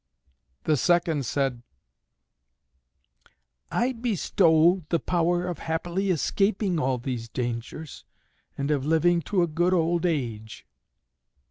The second said, "I bestow the power of happily escaping all these dangers, and of living to a good old age."